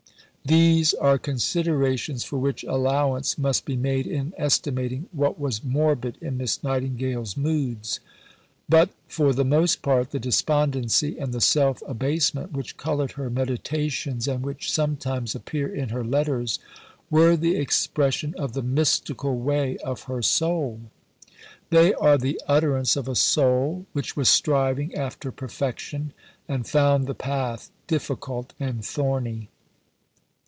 These are considerations for which allowance must be made in estimating what was morbid in Miss Nightingale's moods. But for the most part the despondency and the self abasement which coloured her meditations, and which sometimes appear in her letters, were the expression of the mystical way of her soul. They are the utterance of a soul which was striving after perfection, and found the path difficult and thorny.